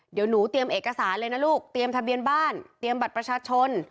เดี๋ยวหนูเตรียมเอกสารเลยนะลูกเตรียมทะเบียนบ้านเตรียมบัตรประชาชน